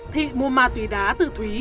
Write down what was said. thị mua ma túy đá từ thúy